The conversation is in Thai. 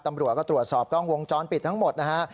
ตำรวจก็ตรวจสอบกล้องวงจรปิดทั้งหมดนะฮะ